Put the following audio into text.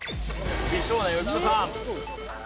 美少年浮所さん。